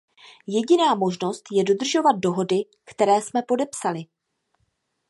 Jediná možnost je dodržovat dohody, které jsme podepsali.